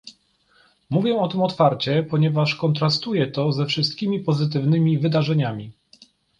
Mówię o tym otwarcie, ponieważ kontrastuje to ze wszystkimi pozytywnymi wydarzeniami